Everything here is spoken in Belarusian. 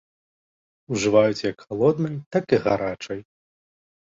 Ужываюць як халоднай, так і гарачай.